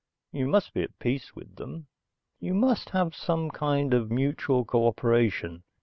You must be at peace with them. You must have some kind of mutual cooperation.